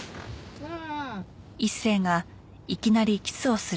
うん。